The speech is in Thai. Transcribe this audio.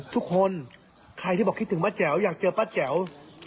ทุกคนใครที่บอกคิดถึงป้าแจ๋วอยากเจอป้าแจ๋ว